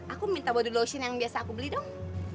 aku minta body lotion yang biasa aku beli dong